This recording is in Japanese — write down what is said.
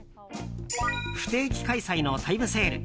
不定期開催のタイムセール。